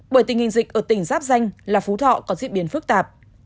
bởi tình hình dịch ở tỉnh giáp danh là phú thọ có diễn biến phức tạp